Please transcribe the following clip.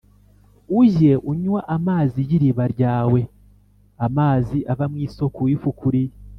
ujye unywa amazi y’iriba ryawe, amazi ava mu isōko wifukuriye